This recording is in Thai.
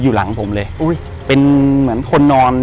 อยู่ที่แม่ศรีวิรัยิลครับ